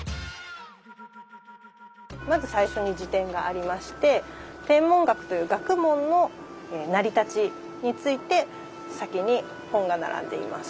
まず最初に辞典がありまして天文学という学問の成り立ちについて先に本が並んでいます。